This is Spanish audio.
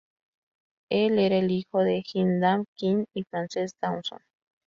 Él era el hijo de Windham Quin y Frances Dawson.